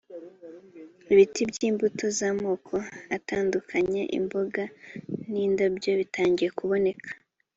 ibiti by’imbuto z’amoko atandukanye imboga n’indabyo bitangira kuboneka